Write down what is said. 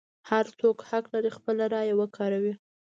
هر څوک حق لري خپله رایه وکاروي.